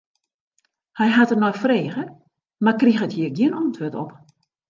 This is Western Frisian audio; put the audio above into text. Hy hat der nei frege, mar kriget hjir gjin antwurd op.